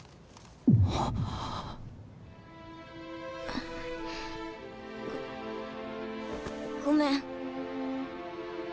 はっ。ごめん。